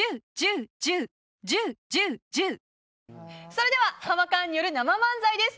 それではハマカーンによる生漫才です。